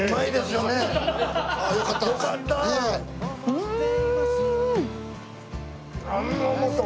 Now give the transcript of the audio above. うん！